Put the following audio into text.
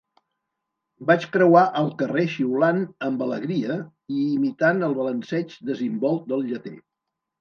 Vaig creuar el carrer xiulant amb alegria i imitant el balanceig desimbolt del lleter.